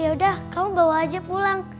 yaudah kamu bawa aja pulang